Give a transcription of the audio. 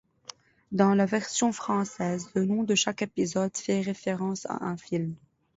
Dans la version française, le nom de chaque épisode fait référence à un film.